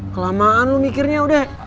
kelamaan lu mikirnya udah